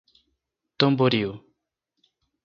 Tamboril